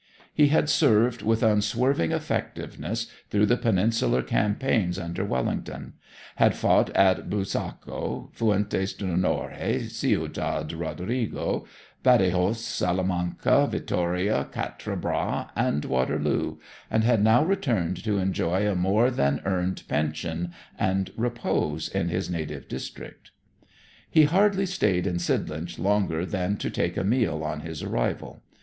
He had served with unswerving effectiveness through the Peninsular campaigns under Wellington; had fought at Busaco, Fuentes d'Onore, Ciudad Rodrigo, Badajoz, Salamanca, Vittoria, Quatre Bras, and Waterloo; and had now returned to enjoy a more than earned pension and repose in his native district. He hardly stayed in Sidlinch longer than to take a meal on his arrival.